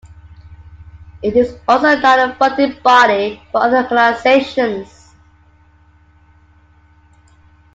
It is also not a funding body for other organizations.